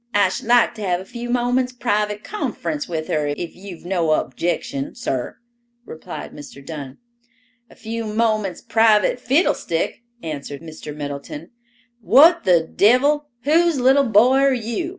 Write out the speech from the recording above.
"I should like to have a few moments' private conference with her, if you've no objection, sir," replied Mr. Dunn. "A few moments private fiddlestick," answered Mr. Middleton. "What the devil—whose little boy are you?